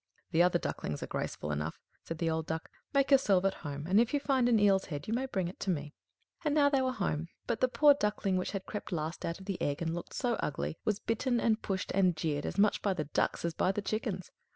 "The other ducklings are graceful enough," said the old Duck. "Make yourself at home; and if you find an eel's head, you may bring it me." And now they were at home. But the poor Duckling which had crept last out of the egg, and looked so ugly, was bitten and pushed and jeered, as much by the ducks as by the chickens.